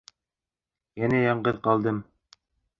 Йәнә яңғыҙ ҡалдым!..